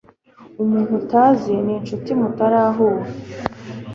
Umuntu utazi ninshuti mutarahura.